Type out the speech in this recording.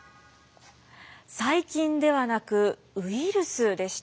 細菌ではなくウイルスでした。